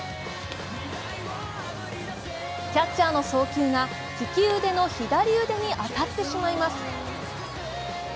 キャッチャーの送球が利き腕の左腕に当たってしまいます。